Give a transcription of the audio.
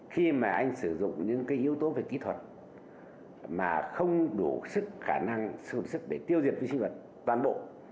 khi mà anh sử dụng những yếu tố về kỹ thuật mà không đủ khả năng sử dụng sức để tiêu diệt vi sinh vật toàn bộ